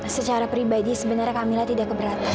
secara pribadi sebenarnya kamila tidak keberatan